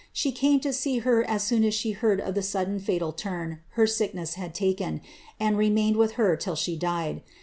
She came to her as soon as she heard of the w sudden fatal turn her sickness had taken, and remained with her till she diei].